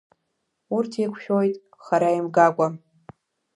Урҭ еиқәшәот хара имгакәа.